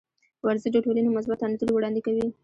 ورزش د ټولنې مثبت انځور وړاندې کوي.